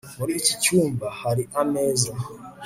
Muri iki cyumba hari ameza